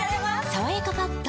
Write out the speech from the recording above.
「さわやかパッド」